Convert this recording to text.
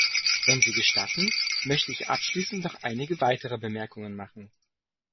Wenn Sie gestatten, möchte ich abschließend noch einige weitere Bemerkungen machen.